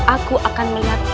aku akan melihat